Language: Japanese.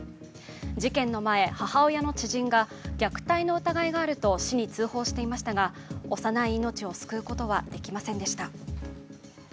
事件の前、母親の知人が虐待の疑いがあると市に通報していましたが幼い命を救うことはできませんでした。